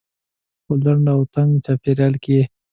په لنډ و تنګ چاپيریال کې.